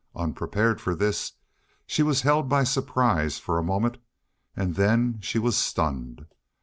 Unprepared for this, she was held by surprise for a moment, and then she was stunned.